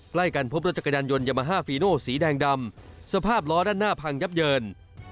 ใกล้กันพบรถจักรยานยนต์ยามาฮาฟีโนสีแดงดำสภาพล้อด้านหน้าพังยับเยิน